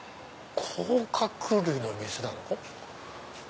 甲殻類のお店なの？